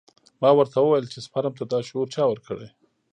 ما ورته وويل چې سپرم ته دا شعور چا ورکړى.